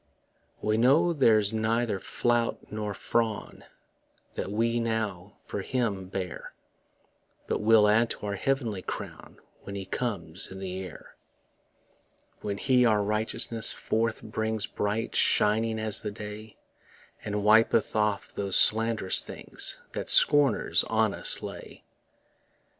We know there's neither flout nor frown That we now for him bear, But will add to our heavenly crown When he comes in the air When he our righteousness forth brings Bright shining as the day, And wipeth off those sland'rous things That scorners on us lay.